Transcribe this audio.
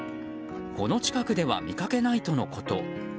この近くでは見かけないとのこと。